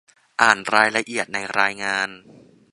อ่านรายละเอียดในรายงาน